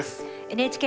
ＮＨＫ